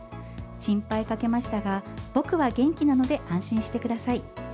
心配かけましたが、僕は元気なので安心してください。